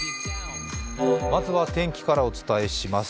まずは天気からお伝えします。